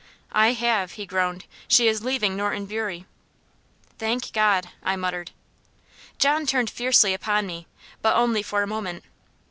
"I have," he groaned. "She is leaving Norton Bury." "Thank God!" I muttered. John turned fiercely upon me but only for a moment.